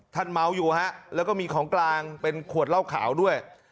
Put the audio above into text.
เมาอยู่ฮะแล้วก็มีของกลางเป็นขวดเหล้าขาวด้วย